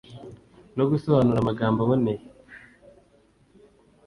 no gusobanura amagambo aboneye